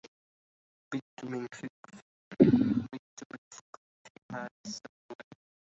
بت من فكري في حال السقيم